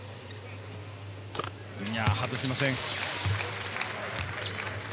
外しません。